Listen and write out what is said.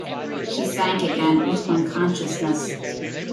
She sank again into unconsciousness.